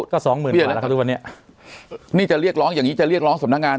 ก็สองหมื่นเบี้ยแล้วล่ะครับทุกวันนี้นี่จะเรียกร้องอย่างงีจะเรียกร้องสำนักงาน